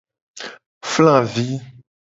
Flavi.